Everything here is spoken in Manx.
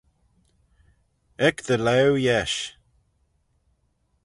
Ec dty laue yesh.